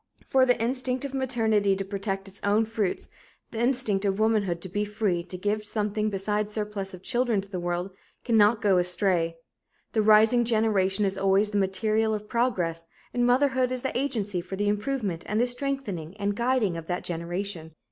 For the instinct of maternity to protect its own fruits, the instinct of womanhood to be free to give something besides surplus of children to the world, cannot go astray. The rising generation is always the material of progress, and motherhood is the agency for the improvement and the strengthening and guiding of that generation.